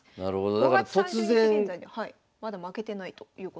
５月３０日現在でまだ負けてないということです。